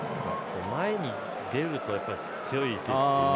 前に出ると強いですよね。